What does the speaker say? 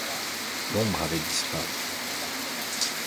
L'ombre avait disparu.